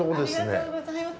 ありがとうございます。